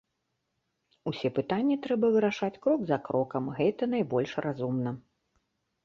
Усе пытанні трэба вырашаць крок за крокам, гэта найбольш разумна.